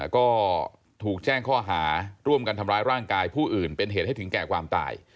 ก็ถูกแจ้งข้อหาร่วมกันทำร้ายร่างกายผู้อื่นเป็นเหตุให้ถึงแก่ความตาย